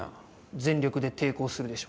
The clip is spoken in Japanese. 全力で抵抗するでしょ。